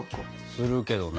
するけどな。